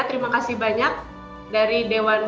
terima kasih banyak dari dewan